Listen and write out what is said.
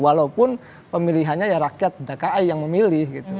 walaupun pemilihannya ya rakyat dki yang memilih gitu